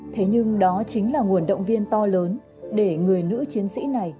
thế nhưng đó chính là nguồn động viên to lớn để người nữ chiến sĩ này